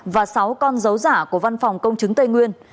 và sáu con dấu giả của văn phòng công chứng tây nguyên